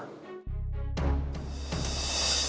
gafin itu adalah anaknya mama